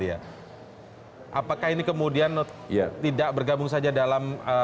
apakah ini kemudian tidak bergabung saja dalam